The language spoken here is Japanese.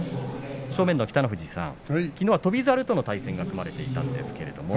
正面の北の富士さんきのうは翔猿との対戦でした。